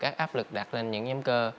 các áp lực đặt lên những nhóm cơ